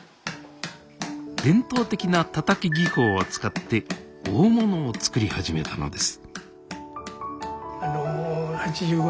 伝統的なたたき技法を使って大物を作り始めたのです